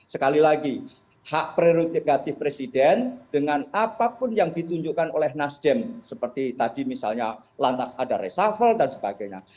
sekali lagi hak prerogatif presiden dengan apapun yang ditunjukkan oleh nasdem seperti tadi misalnya lantas ada reshuffle dan sebagainya